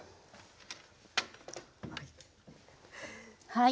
はい。